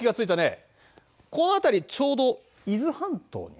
この辺りちょうど伊豆半島にあたるんだね。